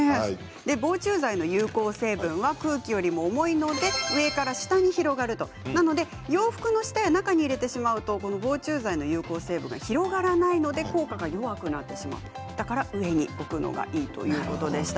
防虫剤の有効成分は空気よりも重いので上から下に広がる洋服の下や中に入れてしまうと防虫剤の有効成分が広がらないので効果が弱くなるということでした。